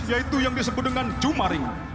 yaitu yang disebut dengan jumaring